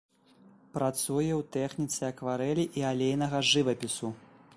Працуе ў тэхніцы акварэлі і алейнага жывапісу.